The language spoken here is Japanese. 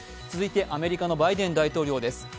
続いてアメリカのバイデン大統領です。